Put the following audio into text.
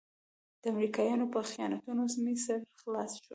د امريکايانو په خیانتونو مې سر خلاص شو.